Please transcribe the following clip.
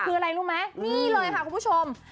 คืออะไรรู้ไหมนี่เลยค่ะคุณผู้ชม